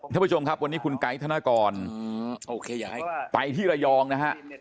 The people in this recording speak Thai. ท่านผู้ชมครับวันนี้คุณไกด์ธนกรไปที่ระยองนะฮะ